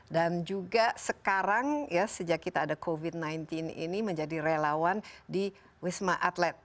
dan juga sekarang ya sejak kita ada covid sembilan belas ini menjadi relawan di wisma atlet